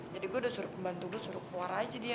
jadi gue udah suruh pembantu gue suruh keluar aja dia